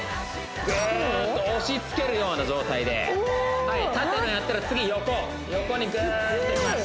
グーっと押しつけるような状態で縦のやったら次横横にグーっといきます